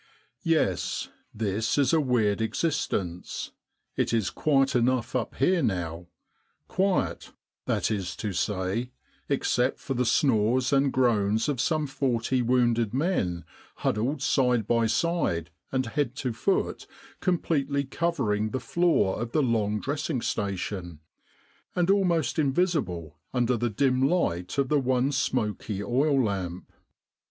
"Yes: this is a weird existence. It is quiet enough up here now quiet, that is to say, except for the snores and groans of some forty wounded men huddled side by side and head to foot completely covering the floor of the long dressing station, and almost invisible under the dim light of the one smoky oil lamp.